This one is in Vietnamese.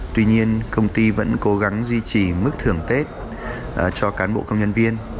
tuy nhiên công ty vẫn cố gắng duy trì mức thưởng tết cho cán bộ công nhân viên